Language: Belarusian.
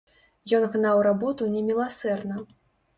Ён гнаў работу неміласэрна.